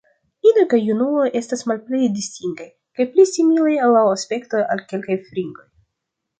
Inoj kaj junuloj estas malpli distingaj, kaj pli similaj laŭ aspekto al kelkaj fringoj.